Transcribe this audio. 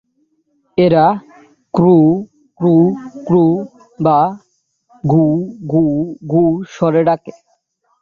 এরা ক্রুরু-ক্রুরু-ক্রুরু বা ‘গুউ-গুউ-গুউ’ স্বরে ডাকে।